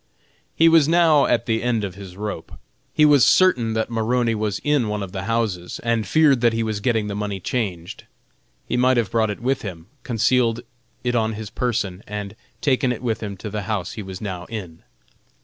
He was now at the end of his rope. He was certain Maroney was in one of the houses, and feared that he was getting the money changed. He might have brought it with him, concealed it on his person, and taken it with him to the house he was now in.